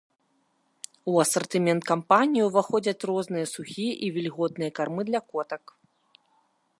У асартымент кампаніі ўваходзяць розныя сухія і вільготныя кармы для котак.